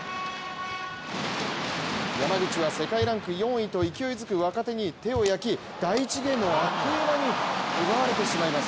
山口は世界ランク４位と勢いづく若手に手を焼き第１ゲームをあっという間に奪われてしまいます。